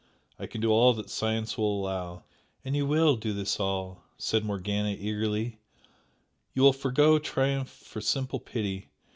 I can do all that science will allow " "And you WILL do this 'all'" said Morgana, eagerly "You will forego triumph for simple pity!